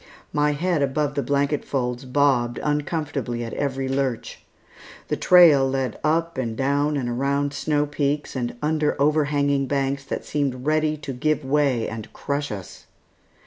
My head above the blanket folds bobbed uncomfortably at every lurch. The trail led up and down and around snow peaks, and under overhanging banks that seemed ready to give way and crush us.